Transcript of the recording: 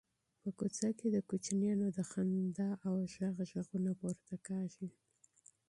په کوڅه کې د کوچنیانو د خندا او شور غږونه پورته کېږي.